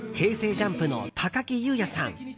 ＪＵＭＰの高木雄也さん